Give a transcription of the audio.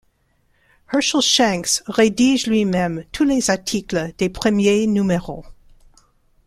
Hershel Shanks rédige lui-même tous les articles des premiers numéros.